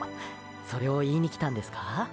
それを言いにきたんですかー？